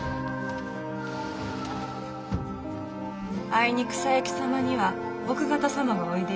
あいにく佐伯様には奥方様がおいでや。